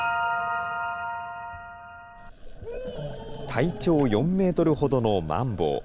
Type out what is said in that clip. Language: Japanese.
体長４メートルほどのマンボウ。